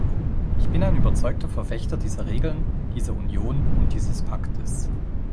Ich bin ein überzeugter Verfechter dieser Regeln, dieser Union und dieses Paktes.